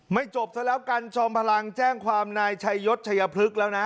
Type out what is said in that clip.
ไม่จบแล้วกันจอมพลังแจ้งความนายชายศพรึกแล้วนะ